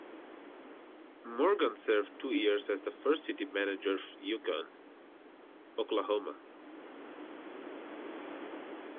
Morgan served two years as the first city manager of Yukon, Oklahoma.